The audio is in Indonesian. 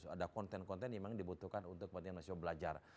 ada konten konten yang memang dibutuhkan untuk mahasiswa belajar